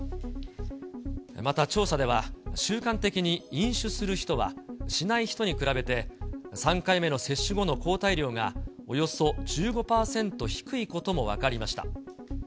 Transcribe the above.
また調査では、習慣的に飲酒する人は、しない人に比べて３回目の接種後の抗体量が、およそ１５％低いことも分かりました。